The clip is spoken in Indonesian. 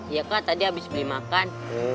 ya kak tadi habis beli makan